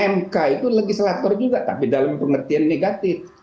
mk itu legislator juga tapi dalam pengertian negatif